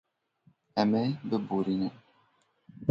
Em ê biborînin.